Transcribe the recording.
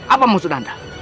apa musuh anda